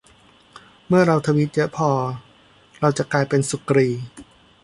เมื่อเราทวีตเยอะพอ เราจะกลายเป็นสุกรี